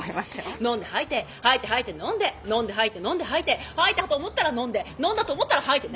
飲んで吐いて吐いて吐いて飲んで飲んで吐いて飲んで吐いて吐いたと思ったら飲んで飲んだと思ったら吐いてね